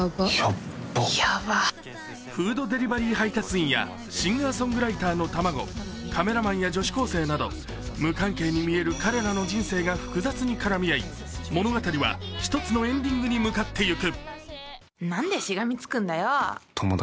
フードデリバリー配達員やシンガーソングライターの卵、カメラマンや女子高生など無関係に見える彼らの人生が複雑に絡み物語は１つのエンディングに向かっていく。